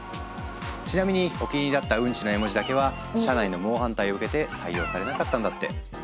ちなみにお気に入りだった「ウンチ」の絵文字だけは社内の猛反対を受けて採用されなかったんだって。